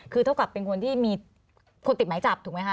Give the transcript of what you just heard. คือเท่ากับเป็นคนที่มีคนติดหมายจับถูกไหมคะ